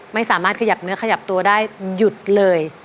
ไม่สามารถขยับเนื้อขยับตัวได้หยุดเลย